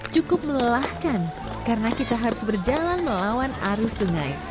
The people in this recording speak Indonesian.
cukup melelahkan karena kita harus berjalan melawan arus sungai